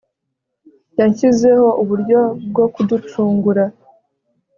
yashyizeho uburyo bwo kuducungura